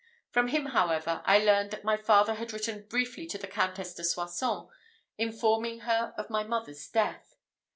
From him, however, I learned that my father had written briefly to the Countess de Soissons, informing her of my mother's death.